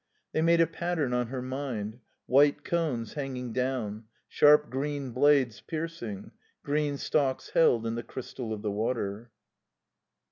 They made a pattern on her mind; white cones hanging down; sharp green blades piercing; green stalks held in the crystal of the water.